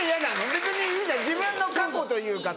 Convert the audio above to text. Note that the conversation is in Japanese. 別にいいじゃん自分の過去というかさ。